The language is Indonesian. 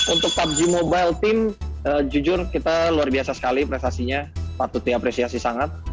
untuk pubg mobile team jujur kita luar biasa sekali prestasinya patut diapresiasi sangat